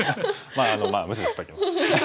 まあ無視しときましょう。